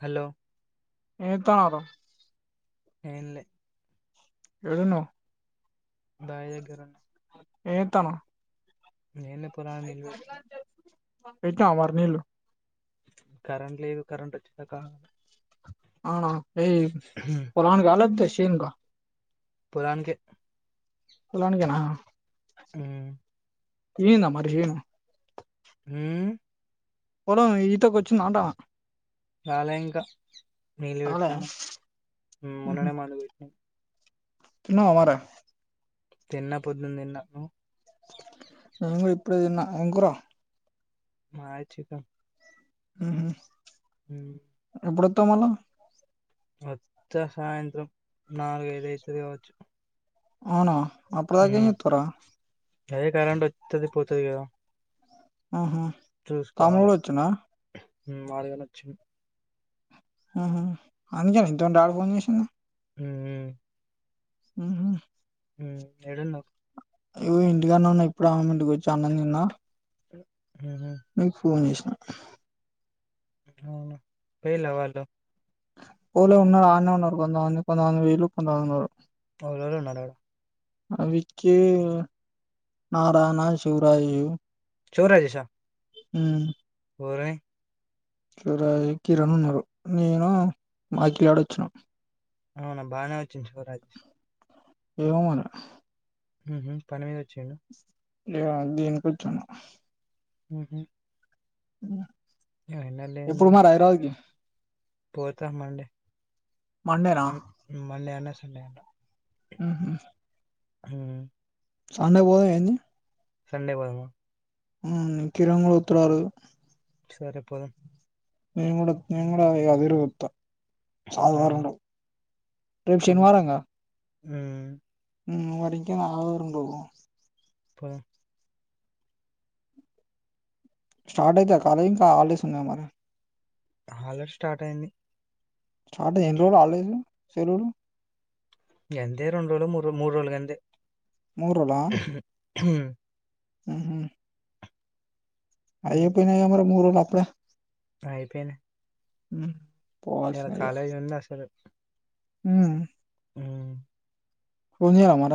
Hello ఏంచేతనవ్ర ఏం లే ఏడున్న వ్ బాయి దగ్గర ఏంచేతనవ్ ఎమ్లే పొలానికి నీళ్లు వెడుతున్న పెట్టినవ మరి నీళ్లు కరెంట్ లేదు కరెంట్ వచ్చేదాకా అ ఫ్లేమ్ పొలానిక లెప్తే చెనుక పొలానికే పోలనికేనా ఆ నిండింద మరి చేను ఉ పోలము ఈత కోచిందాంటా రాలే ఇంకా నీళ్ళు రాలే పెడతానం ఉహు మొన్ననే మందు వేటినమ్ తిన్నావా మరే తిన్న పొద్దు తిన్న నువ్వు నేను కూడా ఇప్పుడేతిన్న ఎం కురా మాది చికెన్ ఉహు హు తమళ అత్త సాయంత్రం నాలుగైదు అయితది కావచ్చు అవునా అప్పుడుదాక ఏం మ్మ్ చెత్తావురా అదే కరెంట్ వత్తది పోతది కదా ఆహా తమ్ముడు చూసుకోవాలి కూడా వచ్చిండా మాదిగా నచ్చిం ఆహా అందుకేనా ఇంతముందు డాడీ ఫోన్ చేసింది ఉ ఉహు ఉ ఏడున్నావ్ ఇప్పుడే అమ్మమ్మ ఇంటికి వచ్చి అన్నం దిన్న చ మీకు ఫోన్ చేసినా అవును పోయిల వాళ్ళు పోలే ఉన్నారు అన్నే ఉన్నారు కొంతమంది వేలు కొంతమంది ఉన్నారు ఓవలేవల్ ఉన్నడు మా విక్కి నారాయణ శివరాజు చో రాజేశా ఉ ఒరై క్యూరై కిరణ్ ఉన్నారు నేను మాక్కిగాడు వచ్చినం అవునా బాగానే వచ్చింది శివరాజ్ ఏమో మన ఊహు పని మీద ఓచ్చిండు లే దీని కొచ్చిండు ఉహు ఎప్పుడు మరి హైరాద్కి పోతా మండే మండేనా మ మండే అన్న సండే అన్న ఉహు హూ సండే వోద ఏంది సండే వొదమా ఊమ్ కిరణ్ బోత్లారు సరే పోదం నేన్ గూడ నేన్ గూడ అవిరు ఒత్త ఆ! రేపు శనివారంగా ఊ ఊ మరింకేం అలవారం బోదం ప స్టార్ట్ అయితయా కాలే ఇంకా హాల్డేస్ ఉన్నయ మరి హాలర్ స్టార్ట్ అయింది స్టార్ట్ అయి ఎన్నిరోజులు హాల్డేలు సెలులు యంతే రెన్ రోలో మూర్ మూ రోలు గంతే మూరలా హూ ఉహు అయిపొయినైగా మరి మర్రోలు అపుడే అయిపోయిన పోవాల్సినదిగ ఉంది అసలు. ఊ హ్మ్. ఫోన్ జేవ మర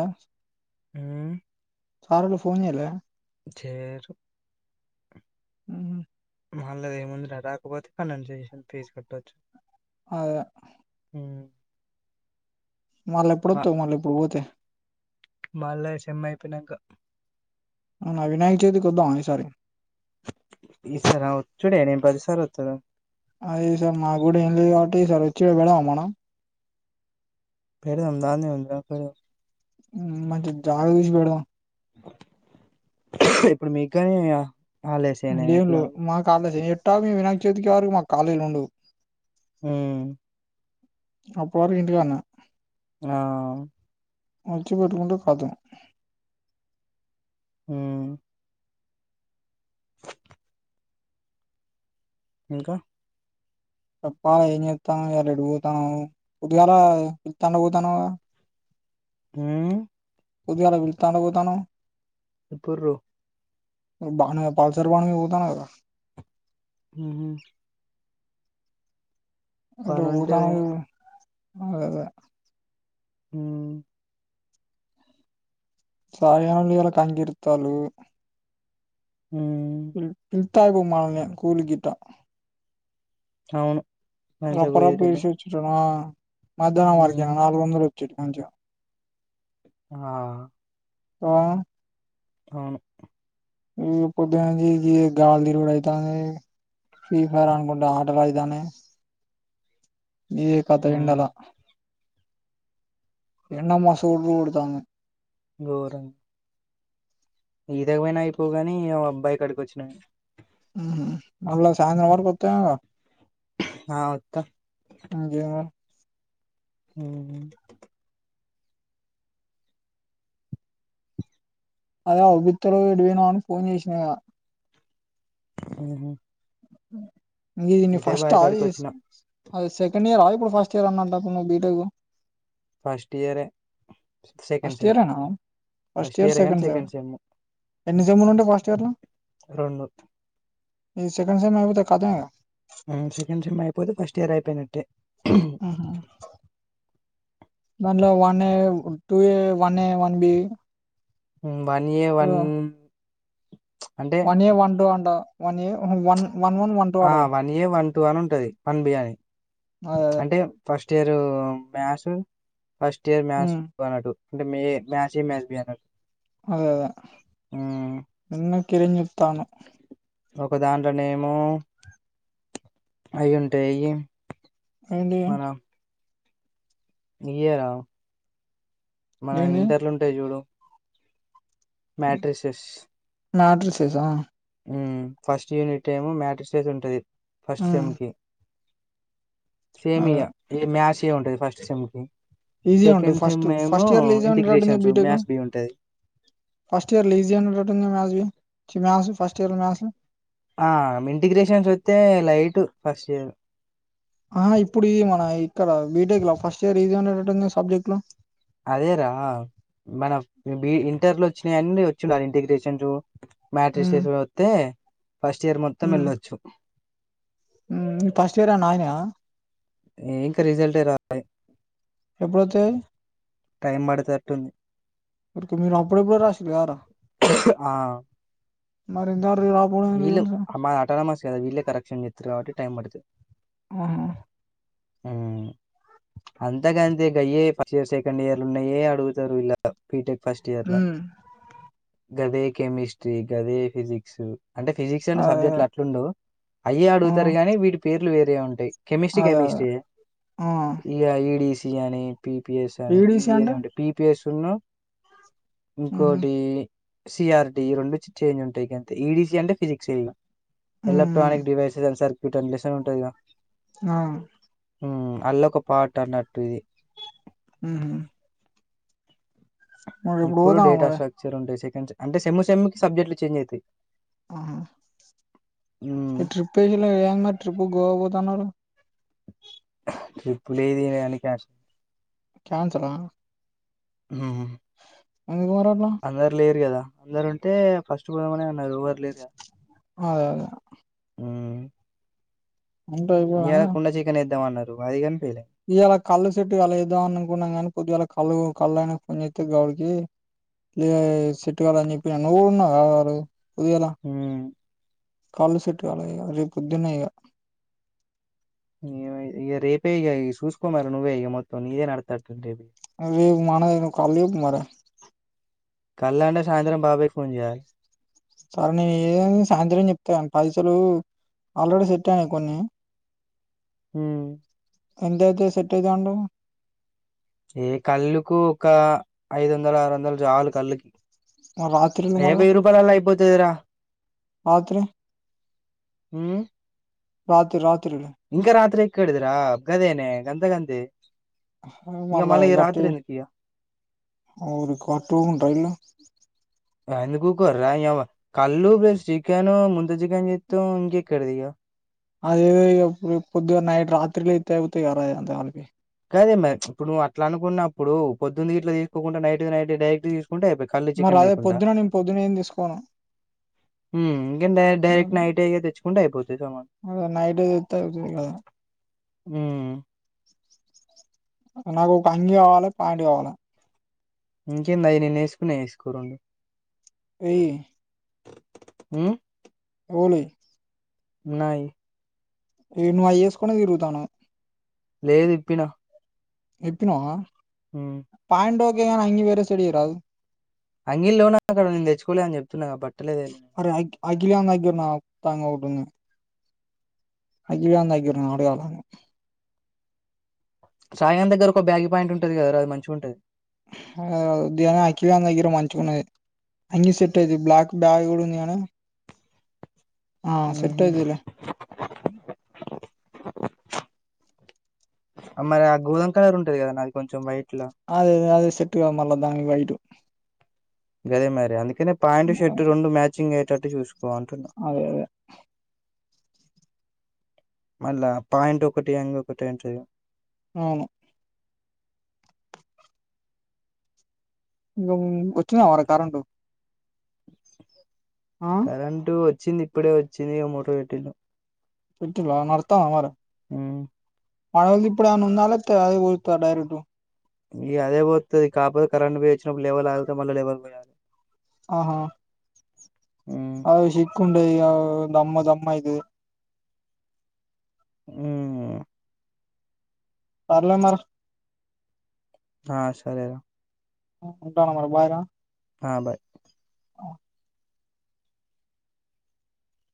ఊ సారొలు ఫోన్ చేయలే చేరు ఉహు వాళ్ళది ఏముంది రా రాకపోతే ఫైనన్సేషన్ ఫీజ్ కట్టొచ్చు అదే హ్మ్. మ మళ్ళెప్పుడుత్తవ్ మళ్ళ ఇప్పుడు పోతే మళ్ళా ఈ సేమ్ అయిపోయినంక అవునా వినాయ చేతికి వద్దా ఈసారి ఈసారా ఒచ్చుడే నేన్ పది సార్ వత్తద అదే ఈ సార్ మా గూడా ఏంలే గాబట్టి ఈ సార్ వచ్చి ఈడ [unintelligible] మనం పెరు అందాంది ఉందా ఫ మంచి జాగ చూసి పెడ్దాం ఇప్పుడు మీగ్గాని అ లీవ్లు మా కాలేజి ఎట్టా మీ వినాయక చవితికి వరకు మాకు కాలేజ్లు ఉండవు ఊ అప్పరి ఇంటిగాన్న ఆ మంచి పెట్టుకుంటే కాదు ఊ ఇంకా తప్ప ఏం చేత్తాను ఇయాలా ఎటు పోతాను పొద్దుగాల పిల్తన్నా పోతన్నావ్ మ్మ్ పొద్దుగాళ పిల్తన్నా పోతన్నావ్ ఇప్పురు బానే పల్సర్ బండి తోల్తన్నావ్ మ్మ్ ఎటు పనుంటే పోతన్నావు పోయినప్పుడు నువు మ్మ్ మ్మ్ [unintelligible] తగ్గుత్తండు ఉమ్ ఇత్తాము మనమే కూలి గిట్ట అవును మంచిగా రప్ప రాప పోయేటోల్లం [unintelligible] మధ్యానం ఉమ్ [unintelligible] నాలుగు వందలు వచ్చ కొంచం ఆ ఆ అవును పొద్దుగాల ఇది [unintelligible] అయితాంది ఫ్రీ ఫైర్ అనుకుంట ఆటలా ఇదానేే ఏ కాత ఉమ్ ఎండలా ఎండమ్మ సురుకు పుడుతాంది ఘోరం ఈదగవైనా అయిపోవు గాని బాయి కాడికి వచ్చిన మ్మ్ మళ్ళా [unintelligible] కొత్త ఆ వత్తా అయిన మ్మ్ వాళ్లవిడకు ఇత్తున్న గాని వినాం ఫోన్ చేసినా గా మ్మ్ ఇది నువ్ ఫస్టా కాడికి వచ్చిన చేసింది అది సెకండ్ ఇయరా ఇప్పుడు ఫస్ట్ ఇయర్ అన్నట్టు నువ్ బీటెక్ ఫస్ట్ ఇయరే సెకండ్ ఫస్ట్ సెమ్ ఇయరేనా ఫస్ట్ ఇయరే కానీ సెకండ్ సెమ్ ఎన్ని సెమ్లు ఉంటాయి ఫస్ట్ ఇయర్ లో రెండు ఈ సెకండ్ సెమ్ అయిపోతే కాదా మ్మ్ సెకండ్ సెమ్ అయిపోతే ఫస్ట్ ఇయర్ అయిపోయినట్టే హ్మ్. మ్మ్ దాంట్లో one A two A one A one B one year one one A one two ఉండవ్ one A one one one one two ఆ అడగా వన్ ఏ వన్ టు అని ఉంటది వన్ బి అనీ అదే అదే అంటే first first year maths first year maths ఉమ్, వాడు అంటే మీ మ్యాస్ ఎ మ్యాస్ బి [inaudible] ఆ హ్మ్. ఇందాక ఏదన్న చెప్తన్నావ్ ఒక దాంట్లోనేమో అవి ఉంటాయి అయి ఐ మీన్ ఇయే రా మనం ఏంటి ఇంటర్లు ఉంటాయి చూడు మాట్రిసిస్ నా [unintelligible] చేసావా ఫస్ట్ యూనిట్ ఏమో మ్యాట్రసెస్ ఉంటది ఫస్ట్ సెమ్ కి సేమ్ అదే ఇగ మ్యాస్ ఎ ఉంటది ఫస్ట్ సెమ్ కి ఈజీ ఉంటుంది సెకండ్ ధీమ్ ఫస్ట్ ఏమో ఫస్ట్ ఇయర్లో ఈజీ ఉండేటట్టుంది ఇంటిగ్రేషన్స్ బీటెక్ మ్యాథ్స్ బి ఉంటది ఫస్ట్ ఇయర్ లో ఈజీ [unintelligible] ఫస్ట్ ఇయర్ మ్యాథ్స్ ఆ ఇంటిగ్రేషన్స్స్తే తే లైట్ ఫస్ట్ ఇయర్ ఆ ఇప్పుడు ఇది మన ఇక్కడ బీటెక్ లో ఫస్ట్ ఇయర్ ఈజీ అనేటట్టుంది సబ్జెక్ట్ లో అదేరా మన బి ఇంటర్ లో వచ్చినా అన్నీ వచ్చుండది ఇంటిగ్రేషన్స్ మ్యాట్రి శేషు వత్తే ఉ ఉ ఫస్ట్ ఇయర్ ఏమన్న అగినయ ఇంకా రిజల్ట్ రాలే ఎప్పుడు వత్తాయ్ టైం పడెతట్టుంది ఊరికే మీరు అప్పుడు ఎప్పుడొ రాసిరు కదా రా ఆ మరి ఇంతవరకు రాకపోవడం ఏంటి వీళ్ళు తెలుసా అమా అటనమా కాద వీళ్లే కరెక్షన్ చెత్తారు కాబట్టి టైమ్ పడతది ఆహా ఊ అంత గంతే గయే ఫస్ట్ ఇయర్ సెకండ్ ఇయర్లు ఉన్నాయే అడుగుతారు ఇలా బిటెక్ ఫస్ట్ ఇయర్లో ఉమ్ గదే కెమిస్ట్ర్రి గదే ఫిజిక్స్ అంటే ఫిజిక్స్ అంటే అదే అదే సబ్జెక్ట్లు అట్లాండవు అయ్యే ఆ అడుగుతారు గానీ వీటి పేర్లు వేరే ఉంటాయి కేెమిస్ట్రీ అదే అదే కెమిస్ట్రీ ఆ ఇ ఈడిసి అని పిపిఎస్ అని ఈడిసి ఇవి అని అంటే ఉంటాయి పిపిఎస్ ను ఉహు ఇంకోటి సిఆర్టీ ఈ రెండు చేంజ్ ఉంటాయి గంతే ఈడీసీ అంటే ఫిజిక్స్ ఇగ ఉమ్ ఎలక్ట్రానిక్ డివైసెస్ అని సర్క్యూట్ అనే లెసన్ ఉంటది ఇగ ఆ ఉ అల్లో ఒక పార్ట్ అన్నట్టు ఇది ఉహు మరి ఎప్పుడు పోతావా మరి డేటాస్ట్రక్చర్ ఉంటాయి సెకండ్ అంటే సేమ్ సెమ్ కి సబ్జెక్ట్లు చేంజ్ అయతాయి ఆహా హ్మ్. ఈ ట్రిప్ వేయాలే ఏమన్నా ట్రిప్ గోవా పోతాఅన్నారు ట్రిప్పులేదు ఏమి లేదు అని క్యాన్సిల్ క్యాన్సల్ ఆ హు హూ మరి అట్లా అందరు లేరు కదా అందరు ఉంటే ఫస్ట్ పోదామనే ఉన్నారు ఎవరు లేరు కదా అదే అదే ఊ అంత అయిపోగానే ఇద్దాం అన్నారు హయిగాన్ ఇయలా కళ్ళు సేట్టు కాలేదు అనుకున్నాం గానీ పొద్దుగాలా కళ్ళు కళ్ళనా కోనిత్తే గౌడికి లే సేట్టుకాలే అని చెప్పి నువ్వు ఉన్నావ్ కదరా ఆరోజు ఉ కళ్ళు సెట్ కాలేదు ఇగ రేపు పొద్దున్నే ఇగ రేపే ఇగ చూసుకో మళ్ళా నువ్వే ఈగ మొత్తం నిది నడుత్తది రేపు ఇగ [unintelligible] మరి కళ్ళ అంటే సాయంత్రం బాబాయకి ఫోన్ చేయాలి సరే నేను ఏ సాయంత్రం చెప్తా వాన్నీ పైసలు ఆల్రెడీ సెట్ అయ్యానాయి కొన్ని ట్ ఉమ్ అందరికి సెట్ అయితాయి అంటావ్ ఏ కళ్ళుకు ఒక ఐదు వందలు ఆరు వందలు రాను కళ్ళుకి మళ్ళీ రాత్రిలు ఏ వెయ్యి రూపాయలల్లో అయిపోతదిరా ఆత్రే హ రాత్ర రాత్ర ఇంకా రాత్రి ఎక్కదరా అబ్గదేనే గంధ గంధి మళ గటి రి కార్టోను రైల ఎందుకుకోర్రా ఇ కళ్ళు ప్లస్ చికెను ముంత చికెన్ చేస్తాం ఇంకెక్కడుది ఇక అదే పొద్దుగా నైట్ రాత్రిలో అయితే అయితాయి కారు అద అంతా కలిపి కాదే మరి ఇప్పుడు అట్లా అనుకున్నప్పుడుొద్దున్నది ఇట్లా తీసుకోకుండా నైట్ నైట్ డైరెక్ట్ తీసు కొంటా అయిపోయి కాళీ మరి చికెన్ అదే అయిపుంటా పొద్దున నేను పొద్దున ఏం తీసుకోను ఇంకకాే డైరెక్ట్ నైట్ అయి తెచ్చుకుంటే అయిపోతాంది సమాం అ నైట్తు ఆ నాకు ఒక అంగి కావాలి పాంట కావాలి ఇంకేంది అయని నేసుకునే వేసుకోరండు ఏ అ రఓలి నయి ఈ నువ్వుయ్యేసుకొని తిరుగుతాను లేదు ఇప్పినా ఎప్పిన పాంటోకే అంగ వేర చెడి రాదు అంగీ లోన అక్కడ నేను తెచ్చుకోలే అని చెప్తున్నాక పట్టలేదు తాంగవుడు అంతాక నాడు కాళ్ళను సాయంం దగ్గర ఒక బ్యాగ పాయింట్ ఉంటుంది కదా అది మంచిగా ఉంటుది ఉదని అకివన దగ్గర మంచుకున్నది అంగ సెట్ఐది బ్లాక్ బాగడన్నను ఆ సెట్ హుహు. అయిదులే మరి ఆ గోధమ్ కలర్ ఉంటది కదన్న అది కొంచెం వైట్ అదే అదే సెట్టుగా మళ్ళ దా బయ గదే మర అందుకనే పాయింట్ షర్ట్ రెండు మ్యాచింగ్ అయేటట్టు చూసుకో అదే అదే మళ్ళీ పాయింట్ ఒకటి ఎంగ్ ఒకటి ఏంట అవును ఇంక వచ్చినా మర కరెంటు ఆ కరెంటు వచ్చింది ఇప్పుడే వచ్చింది ఒక మోటార్ వెటీలో చట్టలో నతాన్న మర హ్మ్. మన ఇప్పుడు ఏమనా ఉందాల అదే పోా డైరెక్ట్ ఇ అదే పోంది కాకపోతే కరెంట్ పో వచ్చినప్పుడు లేవర్ ఆగితే మళ్ళీ లేవర్ పోయాలి ఆహా ఉమ్ అద చిక్ండ ఈ దమ్మ దమ్ ఇది ఉ పర్లే మరి ఆ సరేరా ఉంటానా మరి భాయగా ఆా బాయ్